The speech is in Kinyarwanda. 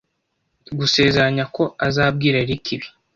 Gusezeranya ko uzabwira Eric ibi.